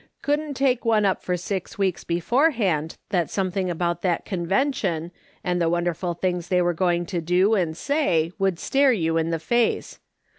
Couldn't take one up for six weeks beforehand that something about that Con vention, and the wonderful things they were going to do and say, would stare you in the face.